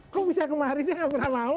kok bisa kemarin gak pernah mau